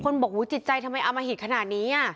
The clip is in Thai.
คนบอกอุ้ยจิตใจทำไมเอามาหิดขนาดนี้อ่ะ